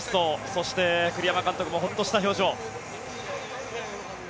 そして、栗山監督もホッとした表情。